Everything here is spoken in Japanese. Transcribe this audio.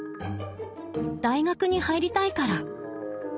大学に入りたいから。